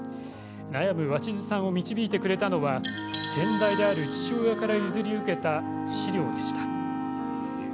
悩む鷲巣さんを導いてくれたのは先代である父親から譲り受けた資料でした。